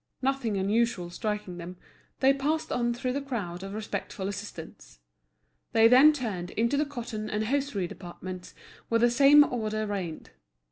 Nothing unusual striking them, they passed on through the crowd of respectful assistants. They then turned into the cotton and hosiery departments, where the same order reigned.